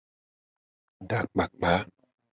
Edakpakpa.